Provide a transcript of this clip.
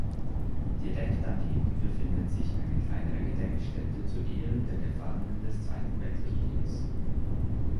Direkt daneben befindet sich eine kleinere Gedenkstätte zu Ehren der Gefallenen des Zweiten Weltkrieges.